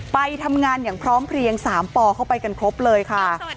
ไปทำงานอย่างพร้อมเพลียง๓ปเข้าไปกันครบเลยค่ะ